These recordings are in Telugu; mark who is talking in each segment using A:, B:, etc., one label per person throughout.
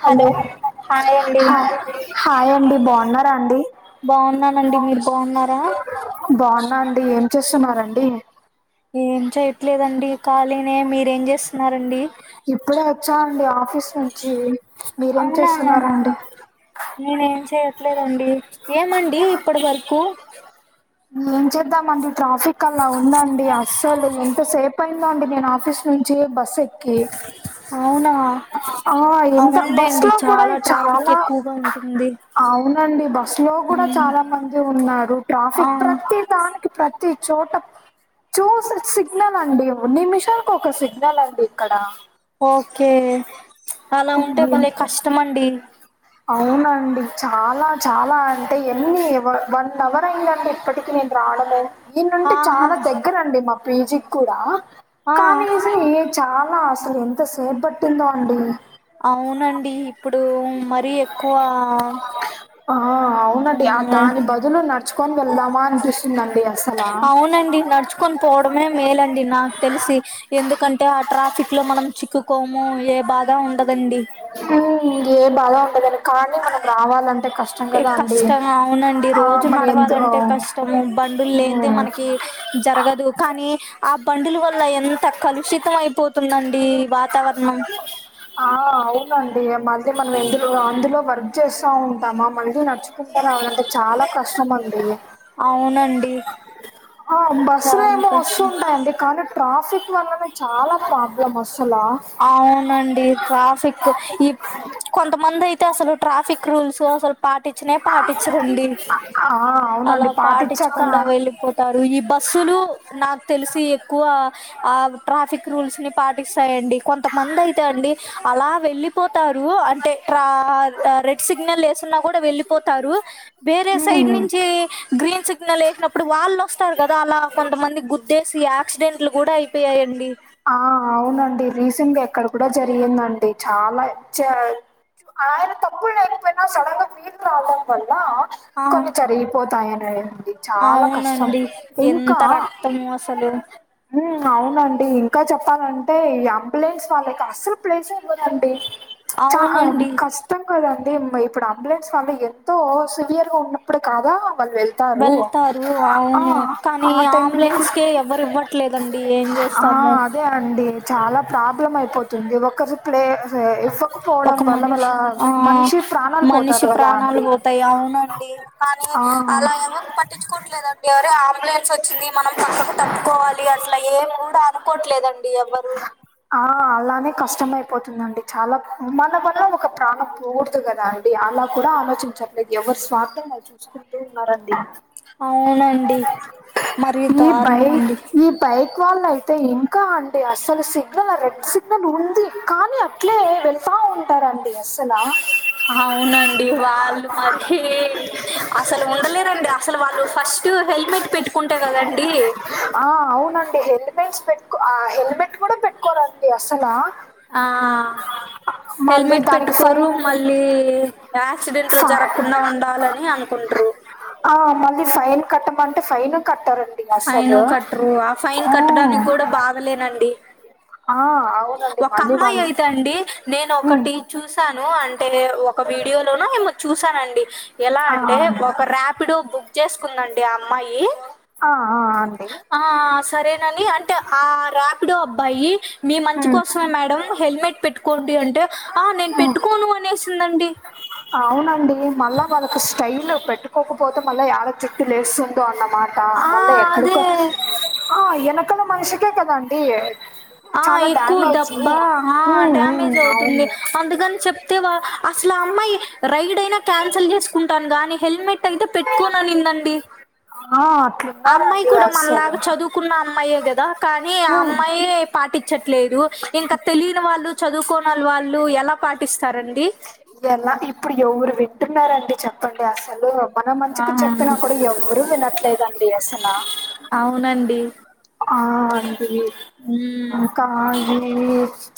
A: హలో
B: హాయ్ అండి
A: హాయ్ అండి హాయ్ అండి బావున్నారా అండి
B: బావున్నానండి మీరు బావున్నారా
A: బాన్నా అండి ఏం చేస్తున్నారండి
B: ఏం చెయట్లేదండి ఖాళీనే మీరెం జేస్తున్నారండి
A: ఇప్పుడే వొచ్చాండి ఆఫీస్ నుంచి మీరేం
B: అవునా
A: చేస్తున్నరండి
B: నేనేం చెయట్లేదండి ఏమండి ఇప్పడ్ వరకు
A: ఏం చేద్దామండి ట్రాఫిక్ అలా ఉందండి అస్సలు ఎంత సేపయిందో అండి నేన్ ఆఫీస్ ఉంచి బస్సేక్కి
B: అవునా
A: ఎంత బస్
B: అవునులేండి
A: లో కూడా
B: చాలా ట్రాఫిక్
A: చాలా
B: ఎక్కువగా ఉంటుంది
A: అవునండి బస్సు లో గూడా
B: మ్మ్
A: చాలా మంది ఉన్నారు
B: ఆ
A: ట్రాఫిక్ ప్రత్తి దాని క్ ప్రత్తి చోట చూస్ సిగ్నల్ అండి నిమిషానిక్ ఒక సిగ్నల్ అండి ఇక్కడ
B: ఓకే అలా ఉంటే భలేె కష్టం అండి
A: అవునండి చాలా చాలా అంటే ఎన్ని వ వన్ అవర్ అయిందండి ఇప్పటి కి నేన్ రాడమే ఈనుంటి
B: ఆహా
A: చాలా దగ్గరండి మా పీజీ క్కూడా
B: ఆ
A: కానీస ఏట్ చాలా అసలు ఎంత సేబ్ బట్టిందో అండి
B: అవునండి ఇప్పుడు మరీ ఎక్కువా
A: ఆ ఔ అవునండి ఆ దాని బదులు నడుచుకొన్ వెళ్దామా అనిపిస్తుందండి అసలా
B: అవునండి నడుచుకొని పోవడమే మేలండి నాక్ తెలిసి ఎందుకంటే ఆ ట్రాఫిక్ లో మనం చిక్కుకోము ఏ బాదా ఉండదండి
A: ఉమ్ ఇంగే బాదా ఉండదని కానీ మనం రావాలంటే కష్టం
B: ఏ
A: గదా అండి
B: కష్టం
A: ఆ మన్ ఎంత్ అ
B: టము బండుల్ లేందే మనకి జరగదు కానీ ఆ బండుల వల్ల ఎంత కలుషితం అయిపోతుందండి డి వాతావరణం
A: ఆ అవునండి ఈ మధ్య మనం ఎందులో అందులో వర్క్ చేస్తా ఉంటామా మళ్ళీ నచ్చు తీసుకురావాలంటే చాలా కష్టం అండి
B: అవునండి
A: ఆ
B: చాలా
A: బస్సులేమో
B: కష్టం
A: వస్తుంటాయండి కానీ ట్రాఫిక్ వల్లనే చాలా ప్రాబ్
B: అవునండి ట్రాఫిక్ ఈ కొంతమంది అయితే అసలు ట్రాఫిక్ రూల్స్ అసలు పాటించనే పాటించరండి
A: ఆ
B: అలా
A: అవునండి పాటించాక
B: పాటించకుండా వెళ్ళిపోత్ టారు ఈ బస్సులు నాకు తెలిసి ఎక్కువ ఆ ట్రాఫిక్ రూల్స్ ని పాట్ టిస్తాయండీ కొంతమంది అయితే అండి అలా వెళ్ళిపోతారూ అంటే ట్రా ఆ రెడ్ సిగ్నల్ వేసున్నా కూడా వెళ్ళిపోతారు వేరే సైడ్
A: ఉమ్
B: నుంచి గ్రీన్ సిగ్నల్ వేసినప్పుడు వాళ్ళు వస్తారు కదా అలా కొంతమంది గుద్దేసి యాక్సిడెంట్లు కూడా అయిపోయాయ్ అండి
A: ఆ అవునండి రీసెంట్గా ఇక్కడ కూడా జరిగిందండి చాలా చ ఆయన తప్పులు లేకపోయినా సడన్ గా బీర్ త్రాగడం వల్ల
B: ఆ
A: కొన్ని జరిగిపోతాయని ఏం ది
B: అవునండి ఎంత రక్తమో అసలు
A: ఊమ్మ్ అవునండి ఇంకా చెప్పాలంటే ఈ అంబులెన్స్ వాళ్ళకి అసలు ప్లేస్ ఇవ్వరండి చ
B: అవునండి
A: కస్ట్ ఇత్తం కదండి ఇప్పుడు అంబులెన్స్ వల్ల ఎంతో సివియర్ గా ఉన్నప్పుడు కాదా వాళ్ళు వెళ్
B: వెళ్తారు అవును కానీ
A: ఆ టైంలో కూ
B: ఆంబులెన్స్ కే ఎవ్వరువ్వట్లేదండి ఏం
A: ఆ!
B: చేస్తాము
A: అదే అండి చాలా ప్రాబ్లం అయిపోతుంది ఒకరు ప్లే ఇవ్వకపోవడం
B: ఒక
A: వల్ల వాళ్ళ
B: మనిషి ఆ
A: మనిషి ప్రాణాలు
B: మనిషి
A: పోతారు కదా
B: ప్రాణాలు
A: అండి.
B: పోతాయి అవునండి కానీ
A: ఆ!
B: అలా ఎవరు పట్టించుకోవట్లేదండి ఒరే అంబులెన్స్ వచ్చింది మనం పక్కకి తప్పుకోవాలి అట్లా ఏమి గూడ అనుకోవట్లేదండి ఎవ్వరు
A: ఆ అలానే కష్టమైపోతుందండి చాలా మన వల్ల ఒక ప్రాణం పోగుడదు కదా అ ది అలా కూడా ఆలోచించట్లేదు ఎవరు స్వార్థం వాళ్ళు చూసుకుంటూ ఉన్నారండి
B: అవునండి మరి
A: ఈ
B: దారుణం
A: బైక్
B: అండి
A: ఈ బైక్ వాళ్ళు అయితే ఇంకా అన్ డి అస్సలు సిగ్నల్ రెడ్ సిగ్నల్ ఉంది కానీ అట్లే వెళ్తా ఉంటారండి అస్సలా
B: అవునండి వాళ్ళు మరీ అసలు ఉండలేరండి అసలు వాళ్ళు ఫస్ట్ హెల్మెట్ పెట్టుకుంటే కదండి
A: ఆ అవునండి హెల్మెట్స్ పెట్టుకో ఆ హెల్మెట్ కూడా పెట్టుకోరండి అస్సల
B: ఆ హెల్మెట్
A: దానికి
B: పెట్టుకోరు
A: ఫైన్
B: మళ్ళీ
A: ఫ
B: యాక్సిడెంట్లు జరగకుండా ఉండాలని అనుకుంట్రూ
A: ఆ మళ్ళీ ఫైన్ కట్టమంటే ఫైను కట్టరు
B: అయిను కట్టరు ఆ ఫైన్
A: ఆ!
B: కట్టడానికి కూడా బాదలేనండి
A: ఆ అవునండి
B: ఒక
A: మళ్ళీ
B: అమ్మాయి
A: వాళ్ళు
B: అయితే అండి నేను
A: ఉమ్,
B: ఒకటి చూసాను అంటే ఒక వీడియో లోనో ఏమో చూసానండి ఎలా
A: ఆ
B: అంటే ఒక ర్యాప్ పిడో బుక్ చేసుకుందండి ఆ అమ్మాయి
A: ఆ ఆ అ
B: అ ఆ సరేనని అంటే ఆ రాపిడో అబ్బాయి మీ మంచి
A: ఉమ్,
B: కోసం ద్ధో మేడం హెల్మెట్ పెట్టుకోండి అంటే ఆ నేను
A: ఉమ్.
B: పెట్టుకోను అనేసిందండి
A: అవునండి మళ్ళా వాళ్ళకు స్టైల్ పెట్టుకోకపోతే మళ్ళా యాడ చుట్టు లేస్తుందో అన్నమాట
B: ఆ
A: మళ్ళా
B: అదే
A: ఎక్కడికో ఆ వెనకల మనిషికే కదండి ఈ
B: ఆ ఎక్కువ డబ్బా అ
A: ఉమ్,
B: డ్యామేజ్ అవుతుంది
A: అవును
B: అందుకని చెప్తేవా అసలు అమ్మాయి రైడ్ అయినా క్యాన్సల్ చేసుకు తం గని హెల్మెట్ అయితే పెట్టుకోననిందండి
A: అ అట్ల
B: అమ్మాయి కూడా మనలాగా చదువుకున్న అమ్మాయే కదా కానీ ఆ
A: ఉమ్,
B: అమ్మాయి పాటించట్లేదు ఇంకా తెలియని వాళ్ళు చదువుకోనళ్ళ వాళ్ళు ఎలా పాటిస్తారండి
A: ఎలా ఇప్పుడు ఎవరు వింటున్నారండి చెప్పండి అసలు మన
B: ఆ
A: మంచికు చెప్పినా కూడా ఎవ్వరు వినట్లేదండి అసల
B: అవునండి
A: అ అండి
B: ఉమ్
A: ఇంక అండి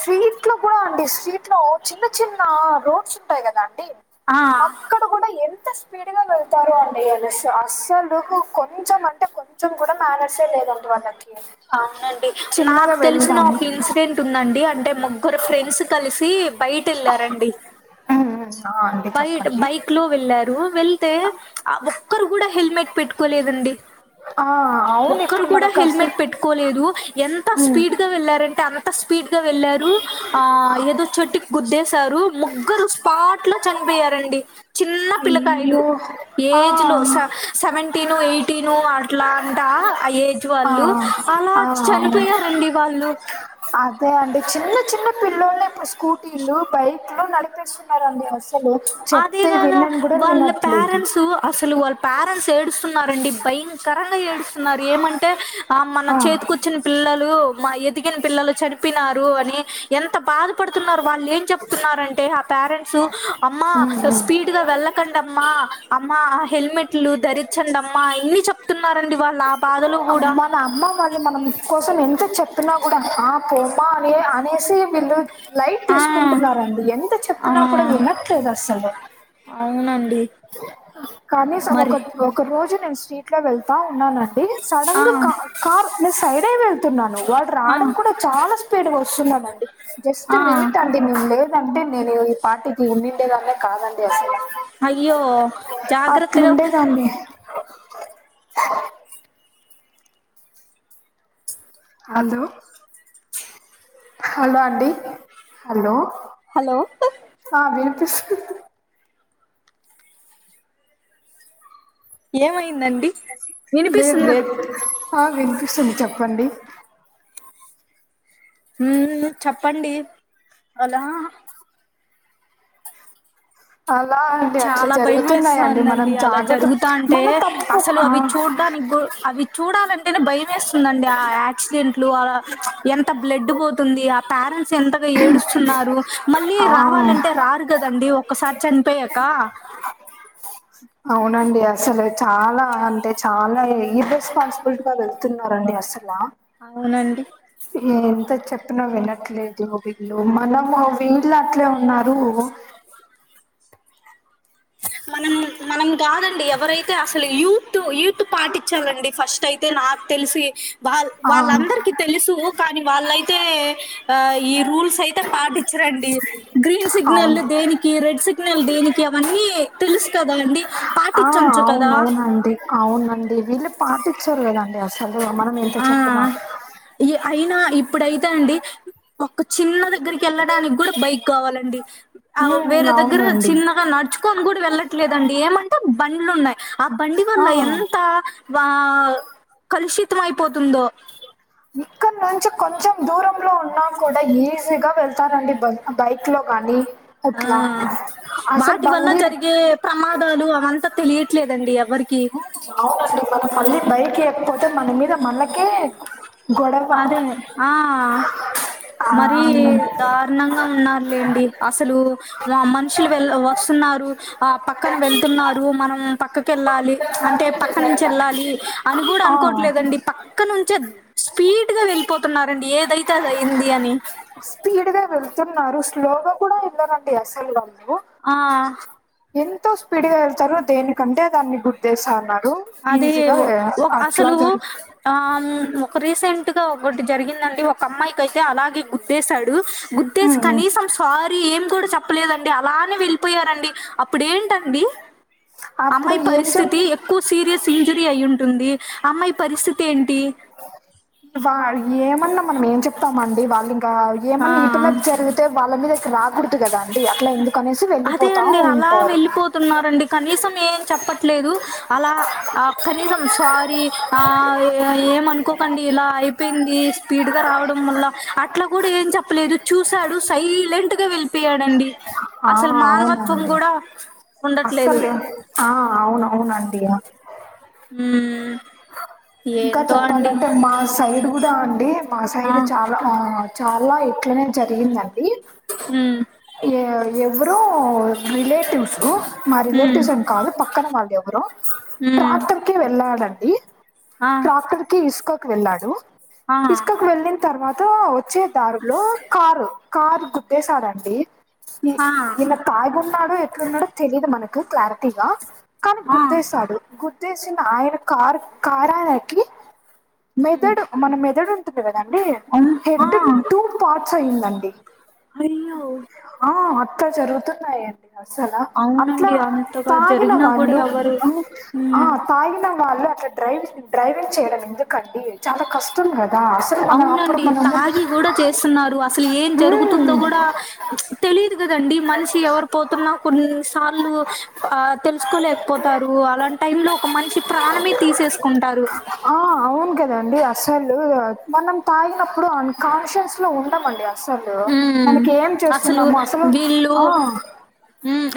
A: సీట్లో కూడా అండి స్ట్రీట్ లో చిన్న చిన్న రోడ్స్ ఉంటాయి కదా అండి
B: ఆ
A: అక్కడ కూడా ఎ ఎంత స్పీడ్ గా వెళ్తారు అండి అస్సలు కొంచెం అంటే కొంచెం కూడా మానేస్సే లేద వాళ్లకి
B: అవునండి నాకు తెలిసిన
A: వెళ్దాము
B: ఒక ఇన్సిడెంట్ ఉందండి అంటే ముగ్గురు ఫ్రెండ్స్ కలిసి బయి తిళ్లారండి
A: ఉమ్, ఉమ్, ఆ అండి
B: బైట
A: చెప్పండి
B: బైక్ లో వెళ్ళారు వెళ్తే ఒక్కరు కూడా హెల్మెట్ పెట్టుకోలేదండి
A: అ [inaudible]
B: ఒక్కరు కూడా హెల్మెట్ పెట్టుకోలేదు ఎంత
A: ఉమ్,
B: స్పీడ్ గా వెళ్లారంటే అంత స్పీడ్ గా వెళ్లారు ఆ ఏదో చెట్టుకి గుద్దేసారు ముగ్గురు స్పాట్ ట్లో చనిపోయారండి చిన్న పిల్లకాయలు
A: అయ్యో ఆ
B: ఏజ్ లో సెవెంటీను ఎయిటీను అట్లా అంట ఆ ఏజ్
A: ఆ
B: వాళ్ళు అలా
A: ఆ అవును
B: చనిపోయారండి వాళ్ళు
A: అదే అండి చిన్న చిన్న పిల్లొల్లే ఇప్పుడు స్కూటీలు బైక్లు నడిపిస్తున్నారండి అస
B: అదే గదా వాళ్ళ
A: వినట్లేదు
B: పేరెంట్స్ అసలు వాళ్ళ పేరెంట్స్ ఏడుస్తున్నారండి భయంకరంగా ఏడుస్తున్నారు ఏమంటే ఆ మన చేతికు చ్చిన పిల్లలు మా ఎదిగిన పిల్లలు చనిపోయినారు అని ఎంత బాధపడుతున్నారు వాళ్ళు ఏం చెప్తున్నారంటే ఆ పేరెంట్స్ అమ్మ స్పీడ్ గా వెళ్ళకండమ్మా అమ్మా హెల్మెట్లు ధరించండమ్మా ఇన్ని చెప్తున్నారండి వాళ్ళ
A: అమ్మ మనమ్మ మ అ మనం కోసం ఎంత చెప్తున్నా కూడా ఆ పొమ్మా అని అనేసి వీళ్ళు లైట్
B: ఆ
A: తీసుకుంటున్నారండి ఎంత
B: ఆ
A: చెప్తున్నా కూడా వినట్లేదు అస్సలు
B: అవునండి
A: కనీసం ఒక
B: మరి
A: ఒక రోజు నేను స్ట్రీట్ లో వెళ్తా ఉన్నానండి
B: ఆ
A: సడెన్గా కా కార్ నే సైడే వెళ్తున్నాను వాడు
B: ఆ
A: రావడం కూడా చాలా స్పీడ్ వస్తున్నాడండీ జస్ట్
B: ఆ
A: మినిట్ అ నేను లేదంటే నేను ఈ పాటికి వున్నిండే దాన్నే కాదండి అసలు
B: అయ్యో జాగ్రత్తగా
A: అట్లుండే దండి హలో హలో అండి హలో
B: హలో
A: ఆ వినిపిసు
B: ఏమైందండి
A: లేదు
B: వినిపిస్తుంది
A: లేదు ఆ వినిపిస్తుంది చెప్పండి
B: ఉమ్ చెప్పండి అలా
A: అలా అండి అట్లా
B: చాలా భయం
A: జరుగుతున్నాయండి మనం
B: వేస్తాందండి అలా
A: జాగ్రత్త
B: జరుగుతా అంటే
A: మన తప్పు
B: అసలు
A: ఆ
B: అవి చూడ్డానికి గు అవి చూడాలని టేనే భయేస్తుందిండి ఆ యాక్సిడెంట్లు అ ఎంత బ్లడ్ పోతుంది పేరెంట్స్ ఎంతగా ఏడుస్తున్నారు మళ్ళీ
A: ఆ
B: రావాలంటే రారు కదండి ఒకసారి చనిపోయా క
A: అవునండి అసలు చాలా అంటే చాలా ఏ ఇర్రెస్పాన్సిబిలిటీ కాద నడుపుతున్నారండి అసల
B: అవునండి
A: ఎంత చెప్పిన వినట్లేదు వీళ్లు మనము వీళ్ళు అట్లే ఉన్నారు
B: మనం మనం కాదండి ఎవరైతే అసలు యూత్ యూత్ పాటించాలండి ఫస్ట్ అయితే నాకు తెలిసి వాళ
A: ఆ అండి
B: వాళ్ళందరికి తెలుసు కానీ వాళ్ళయితే ఆ ఈ రూల్స్ అయితే పాటి చరండి గ్రీన్ సిగ్నల్
A: అవును.
B: దేనికి రెడ్ సిగ్నల్ దేనికి అవన్నీ తెలుసు కదా అండి
A: ఆ
B: పాటించవచ్చు కదా
A: అవునవునండి. అవునండి వీళ్ళు పాటించారు కదండి అసలు మనం ఎంత
B: ఆ
A: చెప్పిన
B: అయినా ఇప్పుడు యితే అండి ఒక్క చిన్న దగ్గరికి వెళ్ళడానికి కూడా బైక్ కావాలండి ఆ
A: హ్మ్.
B: వేరే దగ్గర
A: అవునండి.
B: చిన్నగా నడుచు కొని కూడా వెళ్ళట్లేదండి ఏమంటే బండ్లు ఉన్నాయి ఆ బండి
A: ఆ!
B: వల్ల ఎంత వా కలుషితం అయిపోతుందో
A: ఇక్కడనే నుంచి కొంచెం దూరంలో ఉన్నా కూడా ఈజీగా వెళ్తారండి బైక్ లో గానీ
B: ఆ
A: అట్లా. అసలు
B: వాటి వల్ల
A: బండి
B: జరిగే ప్రమాదాలు అవంతా తెలియట్లేదండి ఎవ్వరికి
A: అవునండి మనం మళ్ళీ బైకి ఇయకపోతే మన మీద మనకే గొడవ
B: అదే ఆ
A: ఆ
B: మరీ దారు ణంగా ఉన్నారులేండి అసలు మనుషులు వెళ్ వస్తున్నారు ఆ పక్కన వెళ్తున్నారు మనం పక్కకు వెళ్ళాలి అంటే పక్క నుంచి వెళ్ళాలి అని కూడా
A: ఆ
B: అనుకోవట్లేదండి పక్క నుంచే స్పీడ్ గా వెళ్ళిపోతున్నారండి ఏదైతే అది అయింది అని
A: స్పీడ్ గా వెళ్తున్నారు స్లోగా కూడా వెళ్ళారుఅండి అసలు వాళ్ళు
B: ఆ
A: ఎంతో స్పీడ్ గా వెళ్తారు దేనికంటే దాన్ని గుద్దేస్తానారు రు
B: అది
A: ఈజీగా
B: ఒక
A: అట్లా
B: అసలు
A: జరుపు
B: ఆ ఒక రీసెంట్ గా ఒకటి జరిగిందండి ఒక అమ్మాయికి అయితే అలాగే గుద్దేశాడు గుద్దేసి
A: ఉమ్
B: కనీసం సారీ ఏం కూడా చెప్పలేదండి అలానే వెళ్ళిపోయారండి అప్పుడేంటండి
A: అప్పుడు
B: అమ్మాయి
A: ఏం చెప్
B: పరిస్థితి ఎక్కువ సీరియస్ ఇంజురీ అయి ఉంటుంది అమ్మాయి పరిస్థితి ఏంటి
A: వా ఏమన్నా మనం ఏం చెప్తామండి వాళ్ళు ఇంకా
B: ఆ
A: ఏమన్నా ఈ పిల్లకి జరిగితే వాళ్ళ మీదకు రా కూడదు కదా అండి అట్లా ఎందుకు అనేసి వెళ్ళిపోతా ఉంటారు
B: న్నారండి కనీసం ఏం చెప్పట్లేదు అలా కనీసం సారీ ఆ ఎమనుకోకండి ఇలా అయిపోయింది స్పీడ్గా రావడం వల్ల ఆ అట్లా కూడా ఏం చెప్పలేదు చూసాడు సైలెంట్ గా వెళ్ళిపోయాడండి అసలు మానవత్వం కూడా ఉండట్లేదు
A: అస్సలేవ్ ఆ అవునవున అండి
B: ఉ
A: ఇంకా చెప్పాలంటే మా సైడ్ ఇప్పుడ అండి మా
B: ఆ
A: సైడ్ చాలా చాలా ఇట్లనే జరిగిందండి
B: ఉం
A: ఏ ఎవరో రిలేటివ్స్ మా రిలేటివ్స్ అని కాదు పక్కన వాళ్ళు ఎవ్వరో
B: ఉం
A: కి వెళ్ళాడండి ప్రాక్టర్ కి ఇసుక కి వెళ్ళాడు
B: ఆ
A: ఇసుక వెళ్లి న్ తర్వాత వచ్చే దారిలో కారు కారు గుద్దేసడండి ఈ
B: ఆ
A: నిన్న తాగిఉన్నాడో ఎట్లున్నాడో తెలీదు మనకు క్లారిటీగా కానీ
B: ఆ
A: గుద్దేశాడు గుద్దేసిన ఆయన కార్ కారయనికి మెదడు మన మెదడు ఉంటుంది కదండి
B: ఎం
A: హెడ్ టూ పార్ట్స్ అయ్యిందండి
B: అయ్యో
A: ఆ అట్ల జరుగుతున్నాయండి అసలా అట్ల
B: అవునండి అంతగా
A: తాగిన
B: జరిగినా కూడా
A: వాళ్ళు
B: ఎవరు
A: అ ఆ
B: హ్మ్
A: తాగిన వాళ్ళు అట్లా డ్రైవ డ్రైవింగ్ చేయడం ఎందుకండి చాలా కష్టం కదా అసలు మనం అప్పుడు
B: అవునండి
A: మనము
B: తాగి కూడా చేస్తున్నారు అసలు ఏం జరుగుతుందో కూడా తెలిదు కదండి మనిషి ఎవరు పోతున్నా కొన్ని సార్లు ఆ తెలుసుకోలేకపోతారు అలాంటి టైం లో ఒక మనిషి ప్రాణమే తీసేసుకుంటారు
A: ఆ అవును కదండి అసలు మనం తాగినప్పుడు అన్కాన్షియన్స్ లో ఉండమండి సలు
B: ఉం అసలు విల్లు
A: ఆ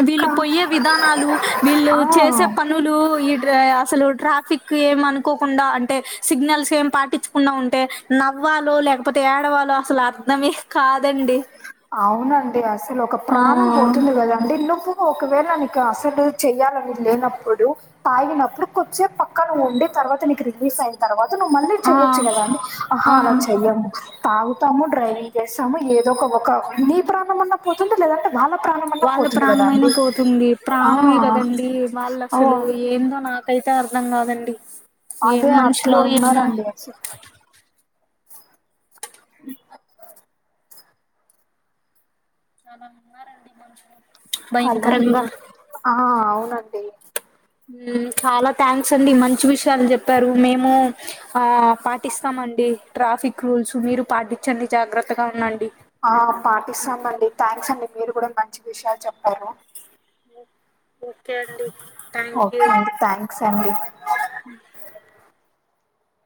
B: వీళ్ళు
A: కా
B: పోయ్యే విధానాలు వీళ్ళు చేసే
A: ఆ
B: పని పనులు ఈ డ్రా అసలు ట్రాఫిక్ ఎం అనుకోకుండా అంటే సిగ్నల్స్ ఏం పాటించు కుండా ఉంటే నవ్వాలో లేకపోతే ఏడవాలో అసలు అర్ధమే కాదండి
A: అవునండి అసలు ఒక
B: ఆ!
A: ప్రాణం పోతుంది కదా అండి నువ్వు ఒపోకో ఒకవేళ నీకు అసలు చెయ్యాలని లేనప్పుడు తాగినప్పుడు కొచ్చేప్ పక్కన ఉండి తర్వాత నీకు రిలీఫ్ అయి తర్వాత నువ్వు మళ్ళీ
B: ఆ!
A: చెయ్యొచ్చు కదాండి అహా
B: ఆ!
A: అలా చెయ్యం తాగుతాము డ్రైవింగ్ చేస్తాము ఏదో ఒక ఒక నీ ప్రాణం అయిన పోతుంది లేదంటే వాళ్ళ ప్ర
B: వాళ్ళ ప్రాణమైనా పోతుంది
A: ఆ!
B: ప్రాణమే కదండి వాళ్ళ
A: ఓ
B: అసలు ఏందో నాకు కైతే అర్థం కాదండి ఏం
A: అదే అట్లా
B: మనుషులో ఏమో
A: ఉన్నారండి అసలు అ
B: ఆహా మారండి కొంచెం
A: హలో ఆ అవునండి
B: చాలా థ్యాంక్స్ అండి మంచి విషయాలు చెప్పారు మేము ఆ పాటిస్తామండి ట్రాఫిక్ రూల్స్ మీరు పాటించండి జాగ్రత్తగా ఉండండి
A: ఆ పాటిస్తాము అండి థ్యాంక్స్ అండి మీరు కూడా మంచి విషయాలు చెప్పారు
B: ఓకే అండి థ్యాంక్
A: ఓకే
B: యూ.
A: అండి థ్యాంక్స్ అండి